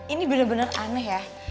ini bener bener aneh ya